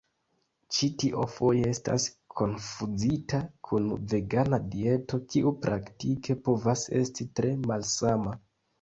Ĉi tio foje estas konfuzita kun vegana dieto, kiu praktike povas esti tre malsama.